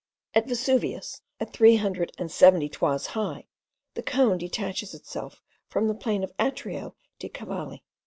At Vesuvius, at three hundred and seventy toises high, the cone detaches itself from the plain of Atrio dei Cavalli.